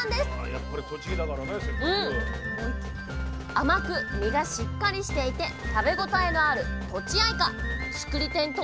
甘く実がしっかりしていて食べ応えのあるとちあいか。